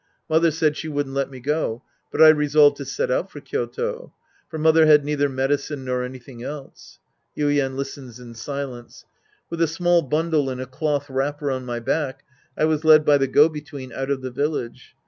Mother said she wouldn't let me go. But I resolved to set out for Kyoto. For mother had neither medi cine nor anything else. (Yuien listens in silence^ With a small bundle in a cloth wrapper on my back, I was led by the go between out of the village.